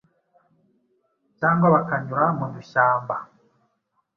cyangwa bakanyura mu dushyamba.